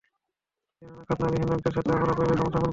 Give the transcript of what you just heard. কেননা, খাৎনাবিহীন লোকদের সাথে আমরা বৈবাহিক সম্পর্ক স্থাপন করি না।